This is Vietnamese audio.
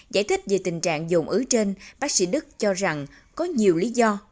giải thích về tình trạng dồn ứ trên bác sĩ đức cho rằng có nhiều lý do